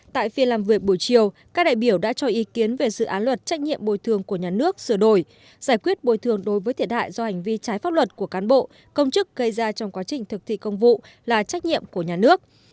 tại phiên làm việc buổi chiều các đại biểu đã cho ý kiến về dự án luật trách nhiệm bồi thường của nhà nước sửa đổi giải quyết bồi thường đối với thiệt hại do hành vi trái pháp luật của cán bộ công chức gây ra trong quá trình thực thi công vụ là trách nhiệm của nhà nước